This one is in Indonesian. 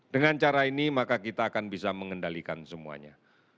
dengan cara ini maka kita akan bisa mengendalikan semuanya